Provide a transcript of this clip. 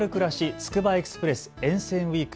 つくばエクスプレス沿線ウイーク。